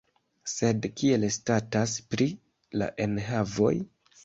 Sed kiel statas pri la enhavoj?